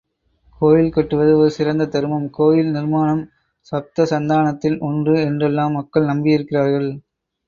கோயில் கட்டுவது ஒரு சிறந்த தருமம், கோயில் நிர்மாணம் சப்தசந்தானத்தில் ஒன்று என்றெல்லாம் மக்கள் நம்பியிருக்கிறார்கள்.